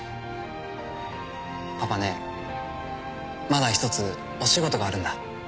パパねまだ一つお仕事があるんだ。